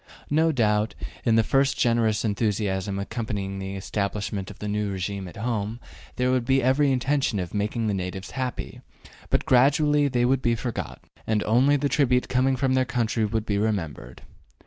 No doubt, in the first generous enthusiasm accompanying the establishment of the new regime at home, there would be every intention of making the natives happy, but gradually they would be forgotten, and only the tribute coming from their country would be remembered.